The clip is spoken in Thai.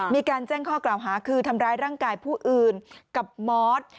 มีการแจ้งข้อกล่าวหาคือทำร้ายร่างกายผู้อื่นกับมอส